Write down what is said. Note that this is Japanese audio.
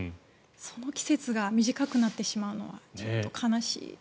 その季節が短くなってしまうのはちょっと悲しい。